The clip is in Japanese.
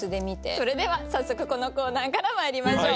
それでは早速このコーナーからまいりましょう。